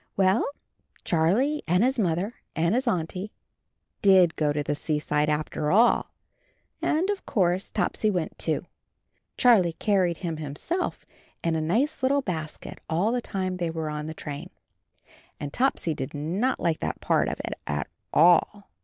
Well, Charlie and his Mother and his Auntie did go to the seaside after all, and of course Topsy went, too. Charlie carried him himself in a nice little basket, all the time they were on the train, and Topsy did not like that part of it at all.